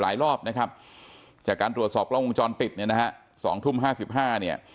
รอบนะครับจากการตรวจสอบกล้องวงจรปิดเนี่ยนะฮะ๒ทุ่ม๕๕เนี่ย